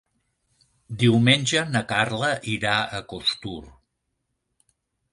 Diumenge na Carla irà a Costur.